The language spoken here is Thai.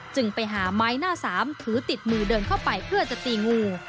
จึงไปหาไม้หน้าสามถือติดมือเดินเข้าไปเพื่อจะตีงู